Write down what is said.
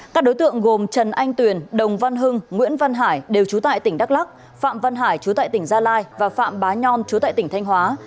các đối tượng gồm trần anh tuyền đồng văn hưng nguyễn văn hải đều trú tại tỉnh đắk lắc phạm văn hải chú tại tỉnh gia lai và phạm bá nhon chú tại tỉnh thanh hóa